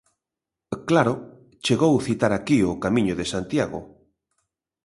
Claro, chegou citar aquí o Camiño de Santiago.